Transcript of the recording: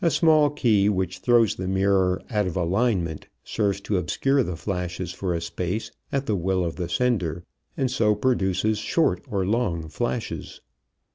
A small key which throws the mirror out of alignment serves to obscure the flashes for a space at the will of the sender, and so produces short or long flashes.